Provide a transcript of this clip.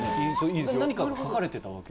何かが書かれてたわけ？